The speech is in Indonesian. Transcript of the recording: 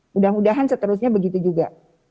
mudah mudahan seterusnya begitu juga